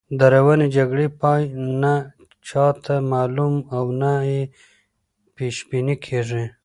د روانې جګړې پای نه چاته معلوم او نه یې پیش بیني کېږي.